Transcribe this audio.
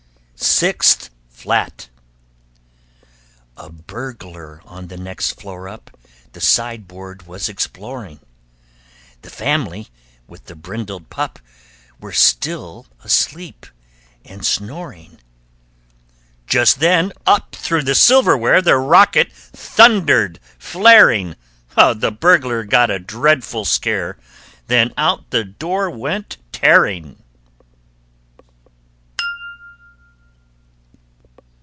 [Illustration: FIFTH FLAT] SIXTH FLAT A Burglar on the next floor up The sideboard was exploring. (The family, with the brindled pup, Were still asleep and snoring.) Just then, up through the silverware The rocket thundered, flaring! The Burglar got a dreadful scare; Then out the door went tearing.